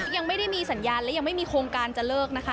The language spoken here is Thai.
ยังไม่ได้มีสัญญาณและยังไม่มีโครงการจะเลิกนะคะ